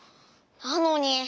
なのに。